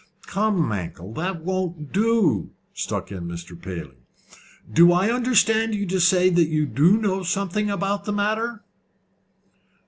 "Come, Mankell, that won't do," struck in Mr. Paley. "Do I understand you to say that you do know something about the matter?"